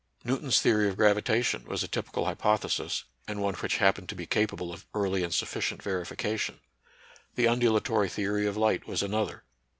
Newton's theory of gravitation was a typical hypothesis, and one which happened to be capable of early and sufficient verification. The undulatory the ory of light was another.